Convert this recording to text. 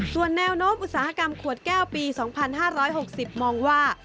ส่วนแนวโน้มอุตสาหกรรมขวดแก้วปี๒๕๖๐มองว่า